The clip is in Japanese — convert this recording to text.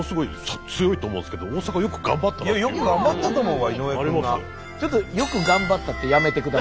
よく頑張ったと思うわ井上君が。